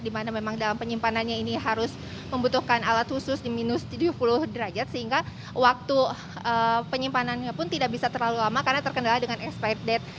di mana memang dalam penyimpanannya ini harus membutuhkan alat khusus di minus tujuh puluh derajat sehingga waktu penyimpanannya pun tidak bisa terlalu lama karena terkendala dengan expired death